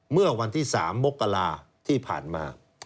เมื่อวันที่๓มกราที่ผ่านมา